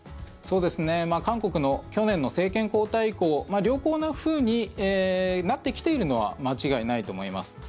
韓国の去年の政権交代以降良好なふうになってきているのは間違いないと思います。